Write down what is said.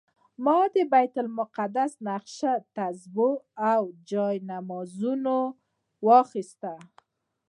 ما د بیت المقدس نقاشي، تسبیح او څو جانمازونه واخیستل.